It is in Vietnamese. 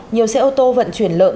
nhiều xe ô tô vận chuyển lợn